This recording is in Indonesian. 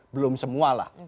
belum semua lah